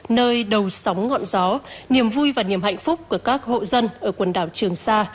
nơi đầu sóng ngọn gió niềm vui và niềm hạnh phúc của các hộ dân ở quần đảo trường sa